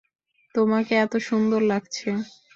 তোমাকে এত সুন্দর লাগছে।